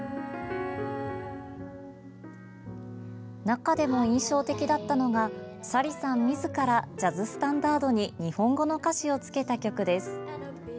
中でも印象的だったのがＳａｒｉさんみずからジャズスタンダードに日本語の歌詞をつけた曲です。